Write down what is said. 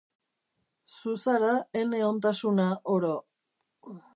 Zu zara ene ontasuna oro.